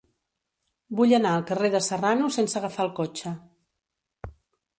Vull anar al carrer de Serrano sense agafar el cotxe.